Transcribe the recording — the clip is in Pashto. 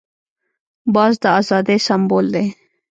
باز د آزادۍ سمبول دی